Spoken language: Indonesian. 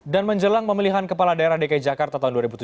dan menjelang pemilihan kepala daerah dki jakarta tahun dua ribu tujuh belas